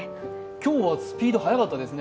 今日はスピード速かったですね。